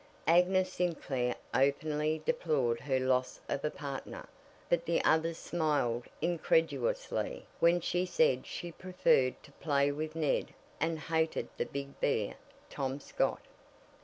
Agnes Sinclair openly deplored her loss of a partner, but the others smiled incredulously when she said she preferred to play with Ned and "hated that big bear, Tom Scott."